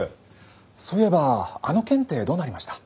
そういえばあの件ってどうなりました？